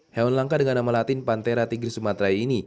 hewan langka dengan nama latin pantera tigri sumatera ini